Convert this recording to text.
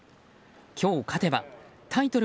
今日勝てばタイトル